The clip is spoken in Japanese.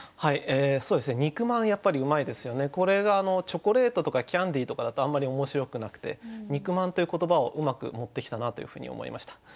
これがチョコレートとかキャンディーとかだとあんまり面白くなくて肉まんという言葉をうまく持ってきたなというふうに思いました。